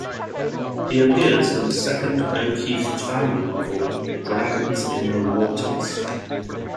He also appears in the second O'Keefe family novel, "Dragons in the Waters".